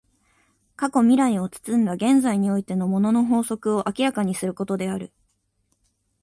過去未来を包んだ現在においての物の法則を明らかにすることである。